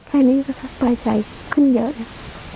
แค่นี้ก็สบายใจขึ้นเยอะเลย